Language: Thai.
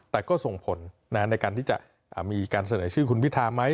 แต่ก็ส่งผลในการที่จะมีการเสนอชื่อคุณพิทาไหม